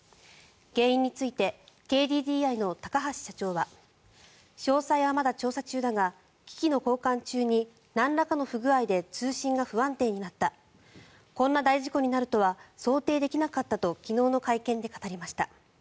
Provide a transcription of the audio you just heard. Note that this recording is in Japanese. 原因についてＫＤＤＩの高橋社長は詳細はまだ調査中だが機器の交換中になんらかの不具合で通信が不安定になったこんな大事故になるとは想定できなかったと昨日の会見で語りました。